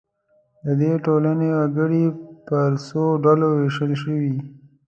د دې ټولنو وګړي پر څو ډلو وېشل شوي.